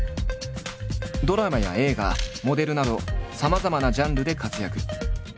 ドラマや映画モデルなどさまざまなジャンルで活躍。